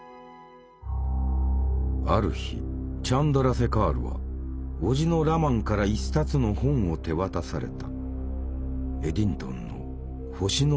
ある日チャンドラセカールは叔父のラマンから一冊の本を手渡された。